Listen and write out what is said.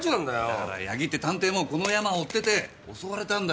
だから矢木って探偵もこのヤマを追ってて襲われたんだよ。